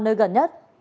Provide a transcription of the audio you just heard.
nơi gần nhất